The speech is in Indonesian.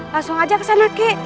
langsung aja ke sana kik